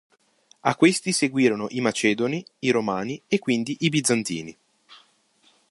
A questi seguirono i Macedoni, i Romani e quindi i Bizantini.